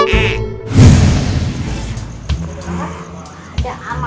nih gini caranya